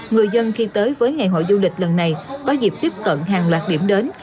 người dân khi tới với ngày hội du lịch lần này có dịp tiếp cận hàng loạt điểm đến